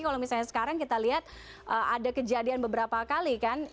kalau misalnya sekarang kita lihat ada kejadian beberapa kali kan yang apa aksi pembegalan sepeda